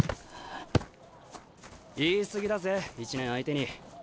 言い過ぎだぜ１年相手に。